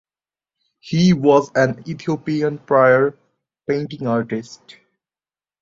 He was an Ethiopian prior Painting Artist.